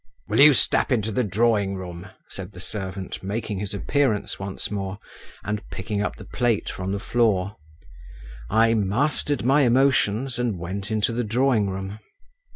"Will you step into the drawing room?" said the servant, making his appearance once more, and picking up the plate from the floor. I mastered my emotions, and went into the drawing room.